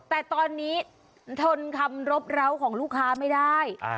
แต่ตอนนี้ทนคำรบร้าวของลูกค้าไม่ได้